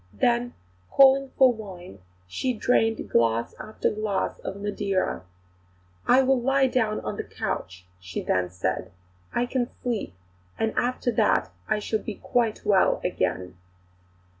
Then, calling for wine, she drained glass after glass of Madeira. "I will lie down on the couch," she then said. "I can sleep, and after that I shall be quite well again."